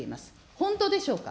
本当でしょうか。